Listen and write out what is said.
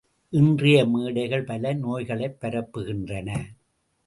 இன்றைய மேடைகள் பல நோய்களைப் பரப்புகின்றன.